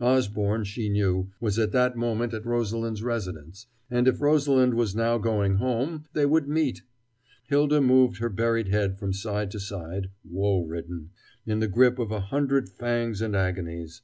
Osborne, she knew, was at that moment at Rosalind's residence, and if Rosalind was now going home ... they would meet! Hylda moved her buried head from side to side, woe ridden, in the grip of a hundred fangs and agonies.